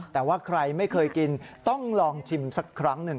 แต่ว่าใครไม่เคยกินต้องลองชิมสักครั้งหนึ่ง